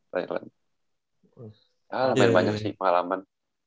main banyak sih pengalaman